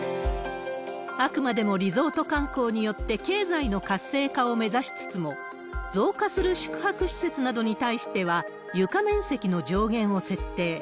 あくまでもリゾート観光によって経済の活性化を目指しつつも、増加する宿泊施設などに対しては、床面積の上限を設定。